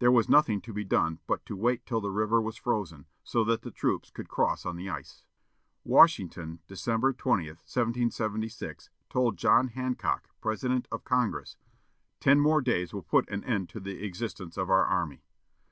There was nothing to be done but to wait till the river was frozen, so that the troops could cross on the ice. Washington, December 20, 1776, told John Hancock, President of Congress, "Ten days more will put an end to the existence of our army."